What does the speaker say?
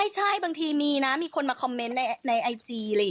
ใช่บางทีมีนะมีคนมาคอมเมนต์ในไอจี